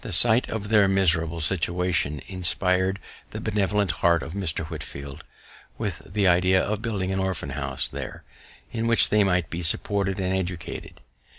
The sight of their miserable situation inspir'd the benevolent heart of Mr. Whitefield with the idea of building an Orphan House there, in which they might be supported and educated.